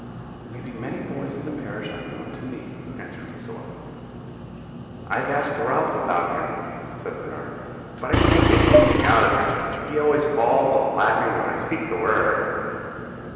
"'There may be many boys in the parish unknown to me,' answered Lucilla. "'I have asked Ralph about him,' said Bernard; 'but I can't get anything out of him; he always falls a laughing when I speak the word.'